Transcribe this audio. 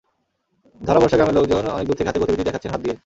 ধারাবর্ষা গ্রামের লোকজন অনেক দূর থেকে হাতির গতিবিধি দেখাচ্ছেন হাত দিয়ে।